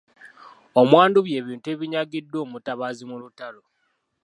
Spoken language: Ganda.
Omwandu by’ebintu ebinyagiddwa omutabaazi mu lutalo.